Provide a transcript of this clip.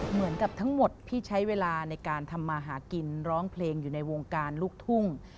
เหมือนกับทั้งหมดพี่ใช้เวลาในการทำมาหากินร้องเพลงอยู่ในวงการลูกทุ่ง